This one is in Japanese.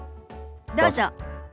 どうぞ。